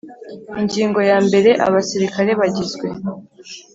Ingingo ya mbere Abasirikare bagizwe